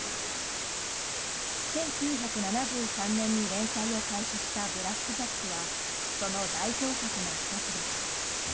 １９７３年に連載を開始した「ブラック・ジャック」はその代表作の１つです。